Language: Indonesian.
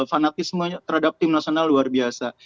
fanatisme terhadap tim nasional luar biasa